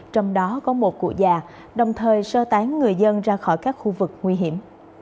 trong đó có một cụ già đồng thời sơ tán người dân ra khỏi các khu vực nguy hiểm